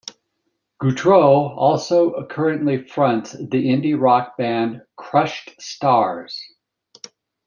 Gautreau also currently fronts the indie rock band Crushed Stars.